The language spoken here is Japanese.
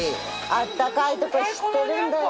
あったかいとこ知ってるんだよ。